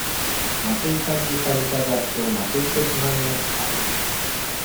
松井さんに借りた雑誌をなくしてしまいました。